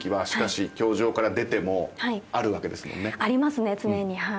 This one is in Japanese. ありますね常に。